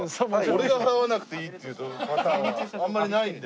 俺が払わなくていいっていうパターンはあんまりないんで。